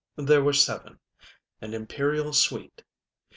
There were sevenŌĆöan imperial suite.